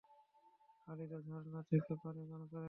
খালিদ ও ঝর্ণা থেকে পানি পান করেন।